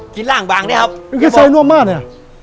กินร้างเบื่อท่านนะครับ